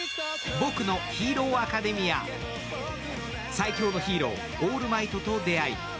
最強のヒーロー、オールマイトと出会い